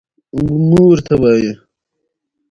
خو بیا هم کۀ مفتي صېب دلته ازلي ،